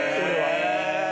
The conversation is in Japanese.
へえ。